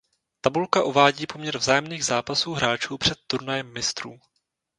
Tabulka uvádí poměr vzájemných zápasů hráčů před turnajem mistrů.